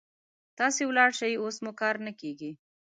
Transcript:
تاسې ولاړ شئ، اوس مو کار نه کيږي.